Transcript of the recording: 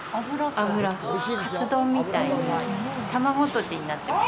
カツ丼みたいに卵とじになってます。